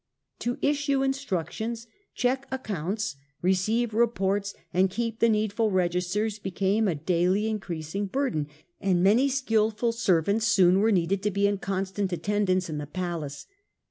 To issue instructions, check ac counts, receive reports, and keep tlie needful registers became a daily increasing labour, and many skilful ser vants soon were needed to be in constant at tendance in the palace.